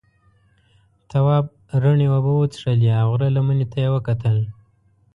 تواب رڼې اوبه وڅښلې او غره لمنې ته یې وکتل.